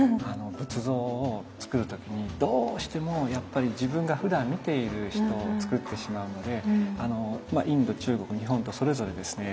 仏像をつくる時にどうしてもやっぱり自分がふだん見ている人をつくってしまうのでインド中国日本とそれぞれですね